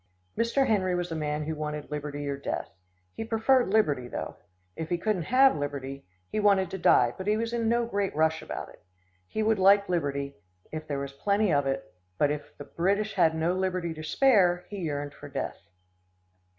Mr. Henry was the man who wanted liberty or death. He preferred liberty, though. If he couldn't have liberty, he wanted to die, but he was in no great rush about it. He would like liberty, if there was plenty of it; but if the British had no liberty to spare, he yearned for death.